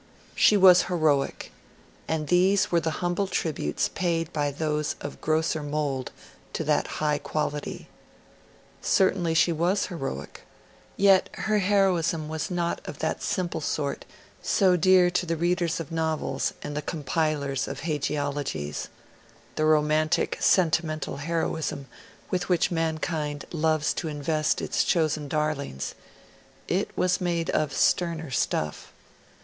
She was heroic; and these were the humble tributes paid by those of grosser mould to that high quality. Certainly, she was heroic. Yet her heroism was not of that simple sort so dear to the readers of novels and the compilers of hagiologies the romantic sentimental heroism with which mankind loves to invest its chosen darlings: it was made of sterner stuff.